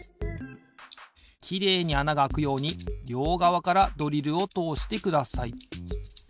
きれいにあながあくようにりょうがわからドリルをとおしてください。